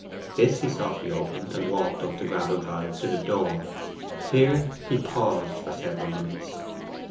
This he softly opened, and walked up the gravel drive to the door. Here he paused for several minutes.